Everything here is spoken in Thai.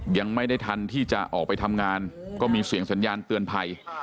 ยังไม่ได้ทันที่จะออกไปทำงานก็มีเสียงสัญญาณเตือนภัย